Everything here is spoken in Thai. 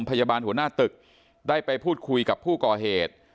หัวหน้าตึกได้ไปพูดคุยกับผู้ก่อเหตุ